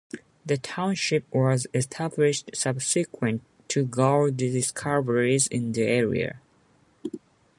The township was established subsequent to gold discoveries in the area.